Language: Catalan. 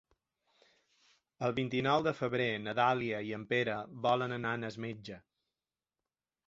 El vint-i-nou de febrer na Dàlia i en Pere volen anar al metge.